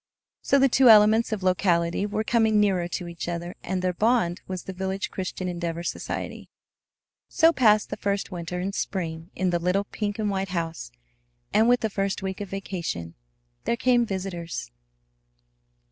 So the two elements of the locality were coming nearer to each other, and their bond was the village Christian Endeavor Society. So passed the first winter and spring in the little pink and white house. And with the first week of vacation there came visitors.